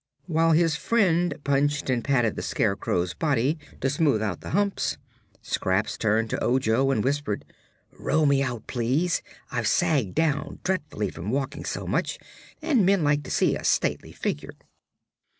While his friend punched and patted the Scarecrow's body, to smooth out the humps, Scraps turned to Ojo and whispered: "Roll me out, please; I've sagged down dreadfully from walking so much and men like to see a stately figure."